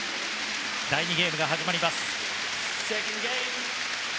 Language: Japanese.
第２ゲームが始まります。